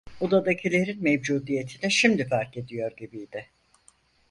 Odadakilerin mevcudiyetini şimdi fark ediyor gibiydi.